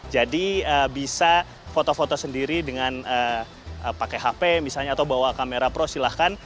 jadi bisa foto foto sendiri dengan pakai hp misalnya atau bawa kamera pro silahkan